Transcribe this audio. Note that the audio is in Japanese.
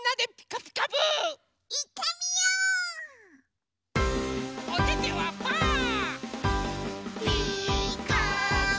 「ピーカーブ！」